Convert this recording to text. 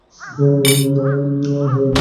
সময় এসে গেছে, শয়তান কোথাকার!